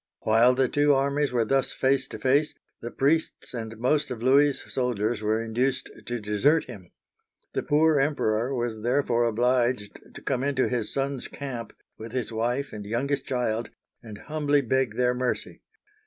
While the two armies were thus face to face, the uigitizea oy vjiOOQlC 88 OLD FRANCE priests and most of Louis's soldiers were induced to desert him. The poor Emperor was therefore obliged to come into his sons* camp, with his wife and youngest child, and humbly beg their mercy.